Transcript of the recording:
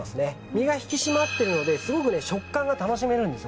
身が引き締まってるのですごく食感が楽しめるんです。